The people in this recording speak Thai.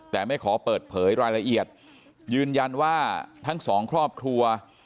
แต่ไม่ขอเปิดเผยรายละเอียดยืนยันว่าทั้งสองครอบครัว